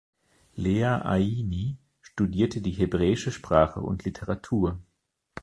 Leah Aini studierte die Hebräische Sprache und Literatur.